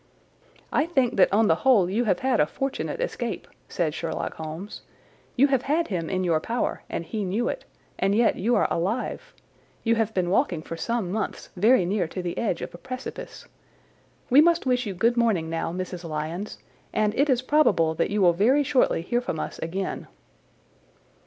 "I think that on the whole you have had a fortunate escape," said Sherlock Holmes. "You have had him in your power and he knew it, and yet you are alive. You have been walking for some months very near to the edge of a precipice. We must wish you good morning now, Mrs. Lyons, and it is probable that you will very shortly hear from us again."